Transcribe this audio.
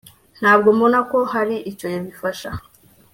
ntabwo mbona ko hari icyo bifasha